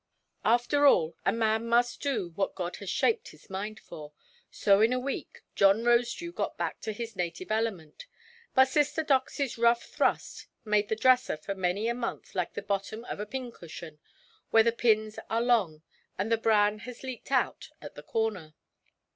After all, a man must do what God has shaped his mind for. So in a week John Rosedew got back to his native element; but sister Doxyʼs rough thrust made the dresser for many a month like the bottom of a pincushion, when the pins are long, and the bran has leaked out at the corner.